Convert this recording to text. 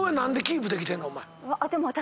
でも私。